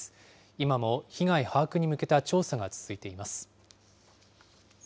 今も被害把握に向けた調査が続いています。